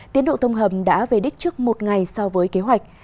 tiến độ thông hầm đã về đích trước một ngày so với kế hoạch